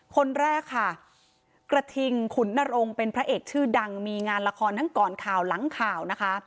คนแรกค่ะกระทิงขุนนรงค์เป็นพระเอกชื่อดังมีงานละครทั้งก่อนข่าวหลังข่าวนะคะ